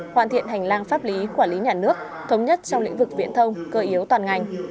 hoàn thiện hành lang pháp lý quản lý nhà nước thống nhất trong lĩnh vực viễn thông cơ yếu toàn ngành